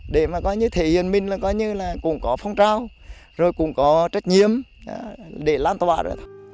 để mà có như thể hiện mình là có như là cũng có phong trao rồi cũng có trách nhiệm để làm tòa rồi